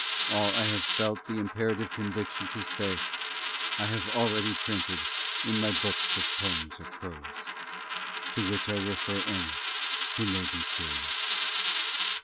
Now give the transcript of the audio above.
ALL I HAVE FELT THE IMPERATIVE CONVICTION TO SAY I HAVE ALREADY PRINTED IN MY BOOKS OF POEMS OR PROSE; TO WHICH I REFER ANY WHO MAY BE CURIOUS.